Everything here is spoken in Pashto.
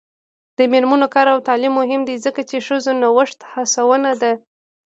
د میرمنو کار او تعلیم مهم دی ځکه چې ښځو نوښت هڅونه ده.